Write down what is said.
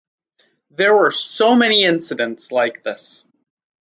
There were so many incidents like this.